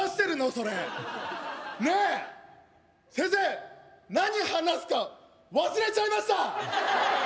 それねえ先生何話すか忘れちゃいました